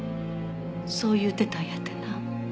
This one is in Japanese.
そう言うてたんやってな。